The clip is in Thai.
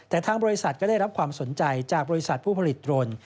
แต่ทางบริษัทก็ได้รับความสนใจจากบริษัทผู้ผลิตโรน